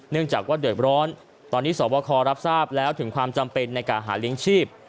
จากว่าเดือดร้อนตอนนี้สวบคอรับทราบแล้วถึงความจำเป็นในการหาเลี้ยงชีพ